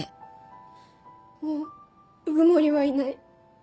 もう鵜久森はいない。